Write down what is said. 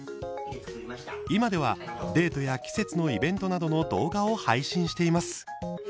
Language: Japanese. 今では、デートや季節のイベントなどの動画を配信しています。